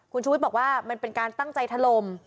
คุณชูวิทย์บอกว่ามันเป็นการตั้งใจถล่ม